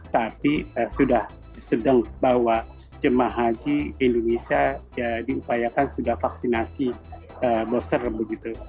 tapi sudah sedang bahwa jemaah haji indonesia diupayakan sudah vaksinasi booster begitu